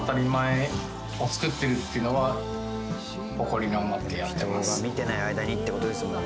人が見てない間にっていう事ですもんね。